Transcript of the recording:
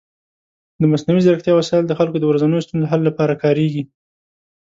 د مصنوعي ځیرکتیا وسایل د خلکو د ورځنیو ستونزو حل لپاره کارېږي.